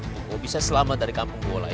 gue bisa selamat dari kampung golai